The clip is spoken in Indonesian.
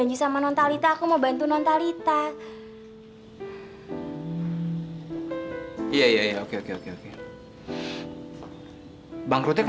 ini loh satria katanya aku menang undian dua puluh lima juta